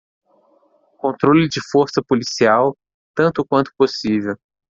Controle de força policial, tanto quanto possível